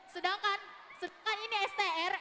sedangkan ini str